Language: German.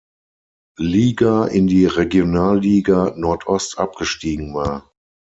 Liga in die Regionalliga Nordost abgestiegen war.